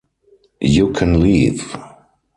You can leave.